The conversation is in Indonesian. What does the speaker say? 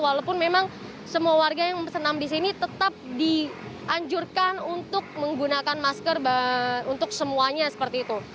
walaupun memang semua warga yang senam di sini tetap dianjurkan untuk menggunakan masker untuk semuanya seperti itu